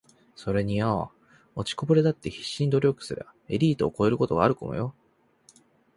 ｢それによ……落ちこぼれだって必死で努力すりゃエリートを超えることがあるかもよ｣